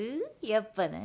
やっぱな。